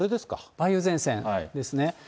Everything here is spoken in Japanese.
梅雨前線ですね。